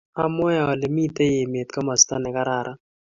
Amwoe ale mitei emet komasta nekararn